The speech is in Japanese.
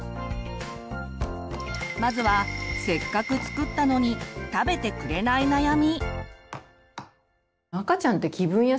まずはせっかく作ったのに食べてくれない悩み。